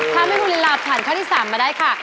ถ้าไม่มีลินล่าผ่านข้าวที่๓มาได้ค่ะ